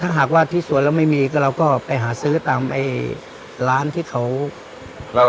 ถ้าหากว่าที่สวนเราไม่มีก็เราก็ไปหาซื้อตามไอ้ร้านที่เขาเรา